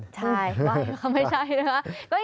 ใช่ทำไมใช่ด้วยครับ